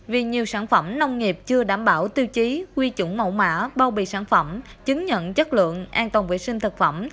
vì nhiều sản phẩm nông nghiệp chưa đảm bảo tiêu chí quy chủng mẫu mã bao bì sản phẩm chứng nhận chất lượng an toàn vệ sinh thực phẩm